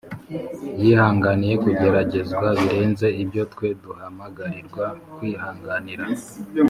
Yihanganiye kugeragezwa birenze ibyo twe duhamagarirwa kwihanganira